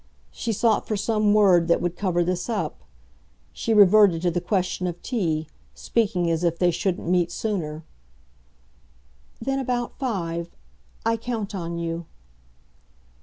She sought for some word that would cover this up; she reverted to the question of tea, speaking as if they shouldn't meet sooner. "Then about five. I count on you."